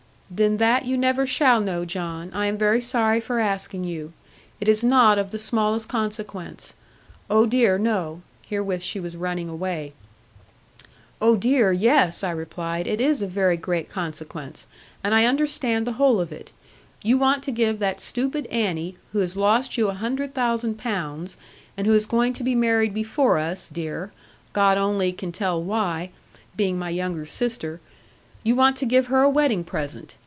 'Then that you never shall know, John. I am very sorry for asking you. It is not of the smallest consequence. Oh, dear, no.' Herewith she was running away. 'Oh, dear, yes,' I replied; 'it is of very great consequence; and I understand the whole of it. You want to give that stupid Annie, who has lost you a hundred thousand pounds, and who is going to be married before us, dear God only can tell why, being my younger sister you want to give her a wedding present.